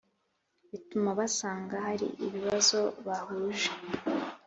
bituma basanga hari ibibazo bahuje,